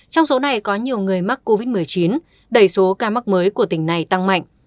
trong số này có nhiều người mắc covid một mươi chín đẩy số ca mắc mới của tỉnh này tăng mạnh